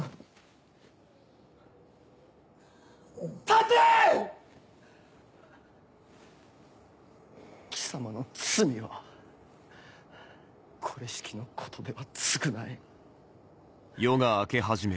立て‼貴様の罪はこれしきのことでは償えん。